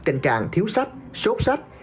tình trạng thiếu sách sốt sách